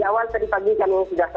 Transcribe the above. ya awal tadi pagi kami sudah sampai